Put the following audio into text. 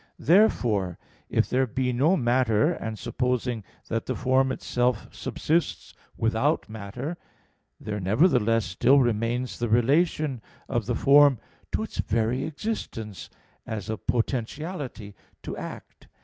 Therefore if there be no matter, and supposing that the form itself subsists without matter, there nevertheless still remains the relation of the form to its very existence, as of potentiality to act.